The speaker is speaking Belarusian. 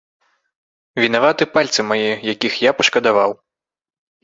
Вінаваты пальцы мае, якіх я пашкадаваў.